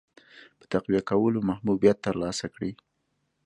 په تقویه کولو محبوبیت ترلاسه کړي.